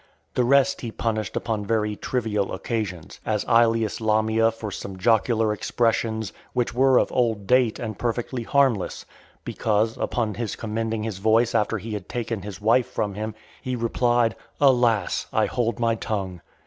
The rest he punished upon very trivial occasions; as Aelius Lamia for some jocular expressions, which were of old date, and perfectly harmless; because, upon his commending his voice after he had taken his wife from him , he replied, "Alas! I hold my tongue."